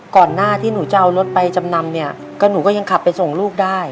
ก่อนหน้าที่หนูจะเอารถไปจำนำเนี่ยก็หนูก็ยังขับไปส่งลูกได้